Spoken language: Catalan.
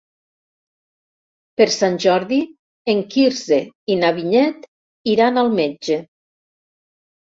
Per Sant Jordi en Quirze i na Vinyet iran al metge.